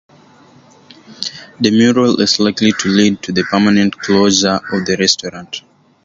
The mural is likely to lead to the permanent closure of the restaurant.